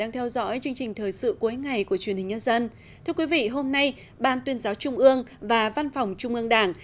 thưa quý vị hôm nay ban tuyên giáo trung ương và văn phòng trung ương đảng